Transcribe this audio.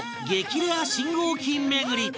レア信号機巡り